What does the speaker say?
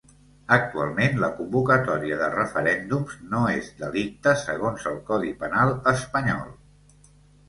Actualment, la convocatòria de referèndums no és un delicte, segons el codi penal espanyol.